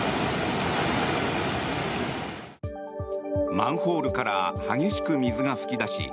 マンホールから激しく水が噴き出し